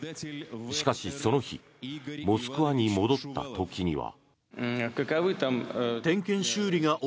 しかし、その日モスクワに戻った時には。